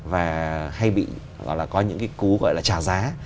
và hay bị gọi là có những cái cú gọi là trả giá